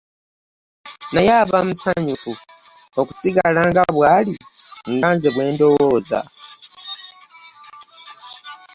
Naye aba musanyufu okusigala nga bw'ali nga nze bwe ndowooza.